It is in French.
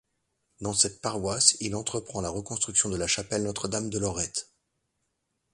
Dans cette paroisse, il entreprend la reconstruction de la chapelle Notre-Dame de Lorette.